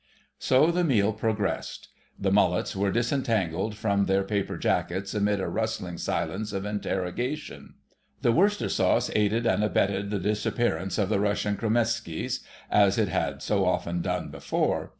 So the meal progressed. The "mullets" were disentangled from their paper jackets amid a rustling silence of interrogation. The Worcester sauce aided and abetted the disappearance of the Russian Kromeskis, as it had so often done before.